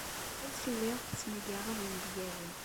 Ur telliḍ tettmagareḍ inebgawen.